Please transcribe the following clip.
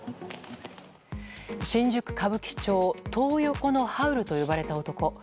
新宿・歌舞伎町トー横のハウルと呼ばれた男。